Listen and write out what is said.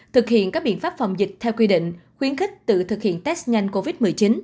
thực hiện các biện pháp phòng dịch theo quy định khuyến khích tự thực hiện test nhanh covid một mươi chín